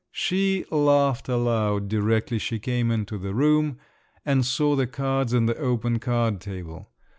She laughed aloud directly she came into the room and saw the cards and the open card table.